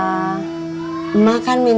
ini es dajeruk lupis